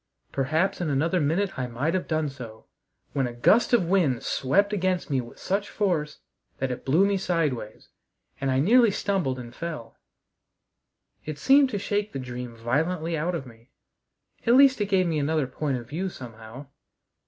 Perhaps in another minute I might have done so, when a gust of wind swept against me with such force that it blew me sideways, and I nearly stumbled and fell. It seemed to shake the dream violently out of me. At least it gave me another point of view somehow.